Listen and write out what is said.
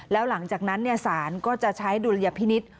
แล้วหลังจากนั้นศาลก็จะใช้ดุลยพินิษฐ์